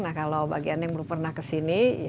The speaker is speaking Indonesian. nah kalau bagian yang belum pernah kesini